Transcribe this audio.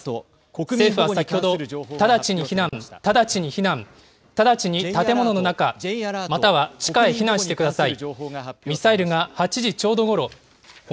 政府は先ほど、直ちに避難、直ちに避難、直ちに建物の中、または地下へ避難してください。